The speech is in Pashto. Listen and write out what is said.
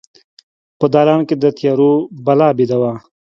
په دالان کې د تیارو بلا بیده وه